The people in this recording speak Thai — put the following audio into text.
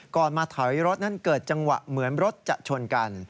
มาถอยรถนั้นเกิดจังหวะเหมือนรถจะชนกัน